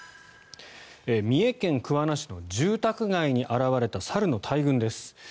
三重県桑名市の住宅街に現れた猿の大群です。